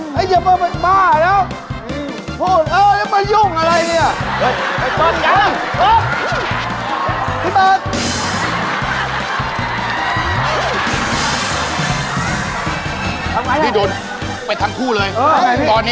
โปรดติดตามตอนต่อไป